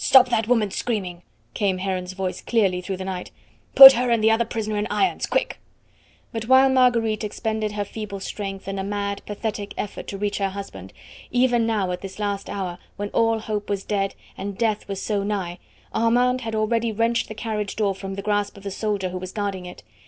"Stop that woman screaming," came Heron's voice clearly through the night. "Put her and the other prisoner in irons quick!" But while Marguerite expended her feeble strength in a mad, pathetic effort to reach her husband, even now at this last hour, when all hope was dead and Death was so nigh, Armand had already wrenched the carriage door from the grasp of the soldier who was guarding it.